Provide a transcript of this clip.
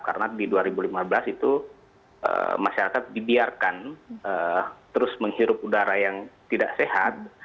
karena di dua ribu lima belas itu masyarakat dibiarkan terus menghirup udara yang tidak sehat